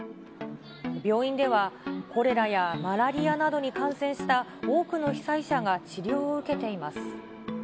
病院では、コレラやマラリアなどに感染した多くの被災者が治療を受けています。